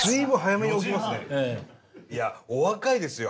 いやお若いですよ